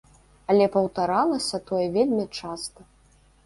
Але паўтаралася тое вельмі часта.